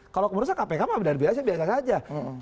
kalau menurut saya kpk lemah biasa biasa saja